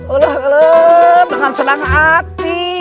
olah olah dengan senang hati